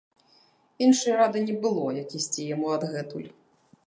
Іншай рады не было, як ісці яму адгэтуль.